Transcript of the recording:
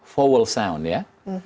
sound yang fowl ya